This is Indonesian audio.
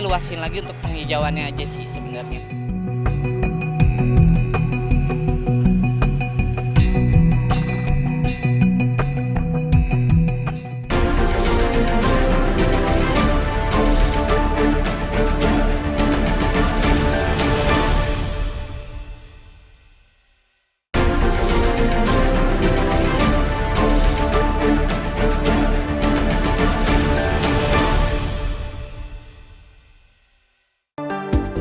luasin lagi untuk penghijauannya aja sih sebenarnya